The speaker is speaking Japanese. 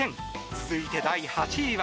続いて第８位は。